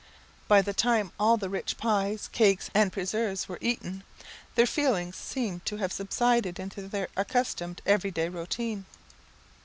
By the time all the rich pies, cakes, and preserves were eaten, their feelings seemed to have subsided into their accustomed everyday routine.